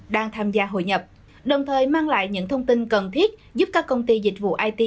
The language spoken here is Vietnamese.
đang tham gia hội nhập đồng thời mang lại những thông tin cần thiết giúp các công ty dịch vụ it